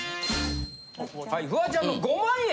はいフワちゃんの５万円！